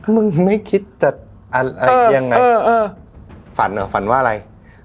มึงไม่คิดจะอะไรยังไงฝันเหรอฝันว่าอะไร